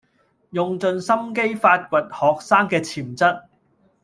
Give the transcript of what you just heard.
用盡心機發掘學生既潛質